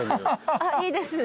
あっいいですよ。